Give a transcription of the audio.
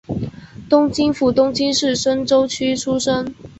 东京府东京市深川区出身。